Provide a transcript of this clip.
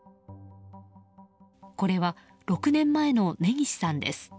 これは、６年前の根岸さんです。